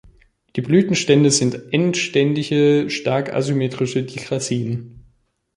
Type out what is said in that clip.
Die Blütenstände sind endständige, stark asymmetrische Dichasien.